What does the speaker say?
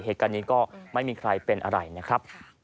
เหตุการณ์นี้ก็ไม่มีใครเป็นอะไรนะครับ